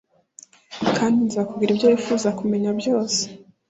kandi nzakubwira ibyo wifuza kumenya byose